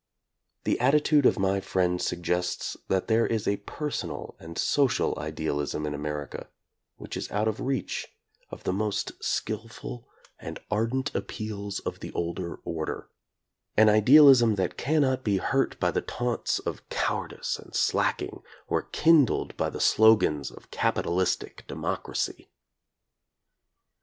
The attitude of my friend suggests that there is a personal and social idealism in America which is out of reach of the most skillful and ardent appeals of the older order, an idealism that cannot be hurt by the taunts of cowardice and slacking or kindled by the slogans of capitalistic democracy.